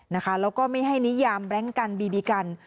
แล้วก็ไม่ให้นิยามแบล็งกันบีบีกัน